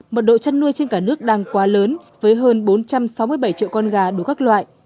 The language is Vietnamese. mật độ chăn nuôi trên cả nước đang quá lớn với hơn bốn trăm sáu mươi bảy triệu con gà đủ các loại